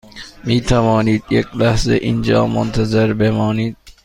می توانید یک لحظه اینجا منتظر بمانید؟